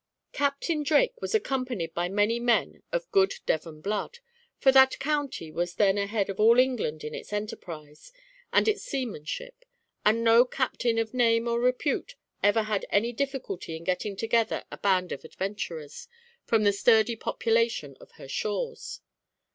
Captain Drake was accompanied by many men of good Devon blood, for that county was then ahead of all England in its enterprise, and its seamanship; and no captain of name or repute ever had any difficulty in getting together a band of adventurers, from the sturdy population of her shores.